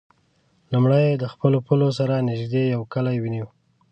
لومړی یې د خپلو پولو سره نژدې یو کلی ونیو.